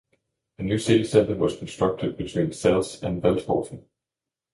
A new city center was constructed between Zeelst and Veldhoven.